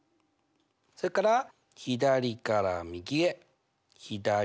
それから左から右へ左から右へと。